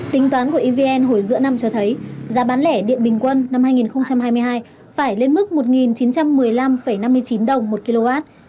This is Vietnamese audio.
tính toán của evn hồi giữa năm cho thấy giá bán lẻ điện bình quân năm hai nghìn hai mươi hai phải lên mức một chín trăm một mươi năm năm mươi chín đồng một kw